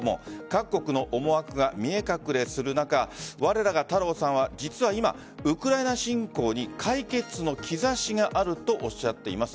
各国の思惑が見え隠れする中われらが太郎さんは実は今、ウクライナ侵攻に解決の兆しがあるとおっしゃっています。